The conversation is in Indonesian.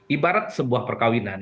ibarat sebuah perkawinan